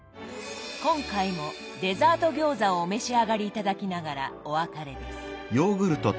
今回もデザート餃子をお召し上がり頂きながらお別れです。